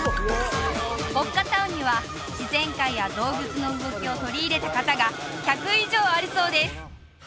ボッカタオには自然界や動物の動きを取り入れた型が１００以上あるそうです